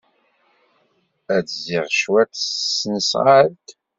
Ad d-zziɣ cwiṭ s tesnasɣalt.